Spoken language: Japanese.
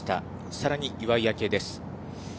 さらに岩井明愛です。